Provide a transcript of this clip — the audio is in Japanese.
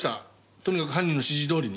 とにかく犯人の指示通りに。